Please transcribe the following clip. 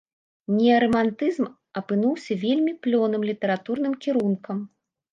Неарамантызм апынуўся вельмі плённым літаратурным кірункам.